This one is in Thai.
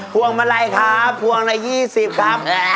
พ่วงมาลัยครับพ่วงมาลัย๒๐ครับ